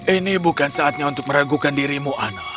ini bukan saatnya untuk meragukan dirimu ana